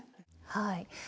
はい。